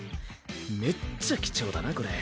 めっちゃ貴重だなこれ。